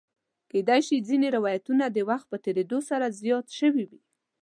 کېدای شي ځینې روایتونه د وخت په تېرېدو سره زیات شوي وي.